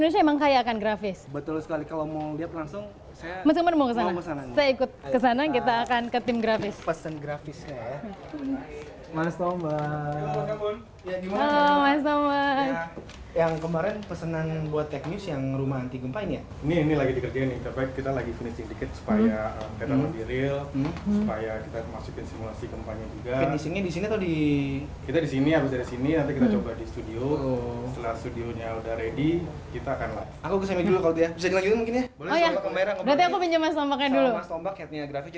sehingga secara keseluruhan memang cukup memakili ya